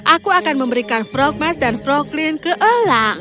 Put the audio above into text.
aku akan memberikan frogmas dan froglin ke elang